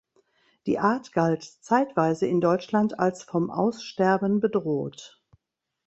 Die Art galt zeitweise in Deutschland als vom Aussterben bedroht.